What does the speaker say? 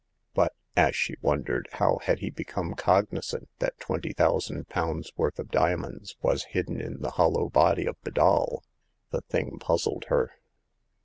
But — as she wondered — how had he become cognizant that twenty thousands pounds' worth of diamonds was hidden in the hollow body of the doll ? The thing puzzled her.